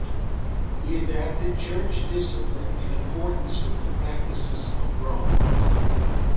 He adapted Church discipline in accordance with the practices of Rome.